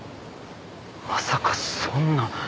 まさかそんな。